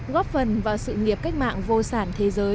góp phần vào sự nghiệp cách mạng vô sản thế giới